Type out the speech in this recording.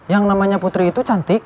yang namanya putri itu cantik